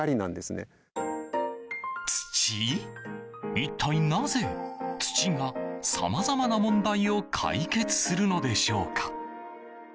一体なぜ土がさまざまな問題を解決するのでしょうか。